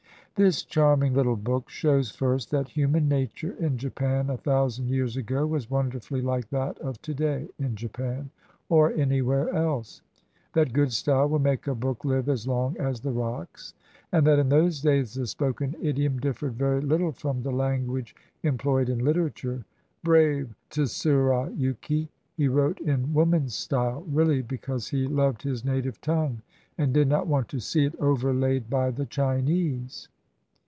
This charming little book shows first that human 297 JAPAN nature in Japan a thousand years ago was wonderfully like that of to day in Japan, or anywhere else; that good style will make a book live as long as the rocks ; and that in those days the spoken idiom differed very little from the language employed in literature. Brave Tsurayuki ! He wrote in "woman's style " really because he loved his native tongue, and did not want to see it overlaid by the Chinese.